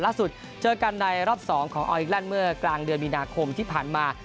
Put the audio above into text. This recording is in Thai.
เจอกันในรอบ๒ของออลอีกแลนด์เมื่อกลางเดือนมีนาคมที่ผ่านมา